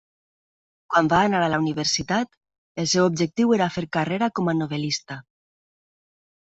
Quan va anar a la Universitat el seu objectiu era fer carrera com a novel·lista.